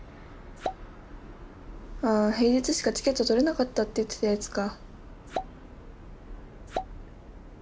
あ平日しかチケット取れなかったって言ってたやつか。